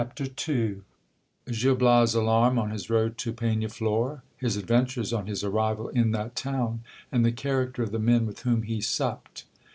II. — Gil Bias 1 alarm on his road to Pegnaflor ; his adventures on his arrival in that town ; and the character of the men with whom he supped.